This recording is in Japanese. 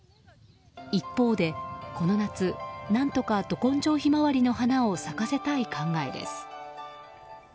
一方で、この夏何とか、ど根性ひまわりの花を咲かせたい考えです。